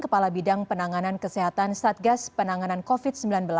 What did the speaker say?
kepala bidang penanganan kesehatan satgas penanganan covid sembilan belas